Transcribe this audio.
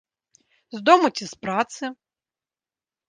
З дому ці з працы?